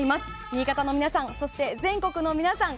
新潟の皆さんそして全国の皆さん